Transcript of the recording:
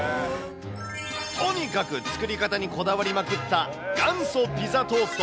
とにかく作り方にこだわりまくった、元祖ピザトースト。